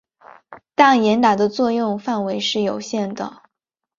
但严打的作用范围是有限的。